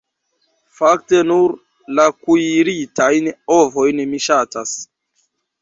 Fakte nur la kuiritajn ovojn mi ŝatas.